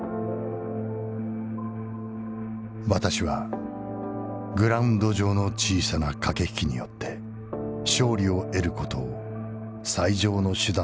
「私はグラウンド上の小さな掛引きによって勝利を得る事を最上の手段だとは思っていない。